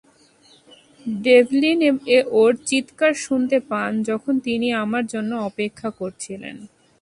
Devlin ওর চিৎকার শুনতে পান যখন তিনি আমার জন্য অপেক্ষা করছিলেন।